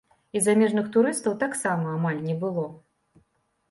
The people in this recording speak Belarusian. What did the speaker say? І замежных турыстаў таксама амаль не было.